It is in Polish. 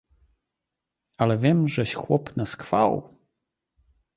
"Ale wiem, żeś chłop na schwał!"